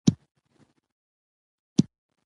سفر انسان ته د زغم او حوصلې درس ورکوي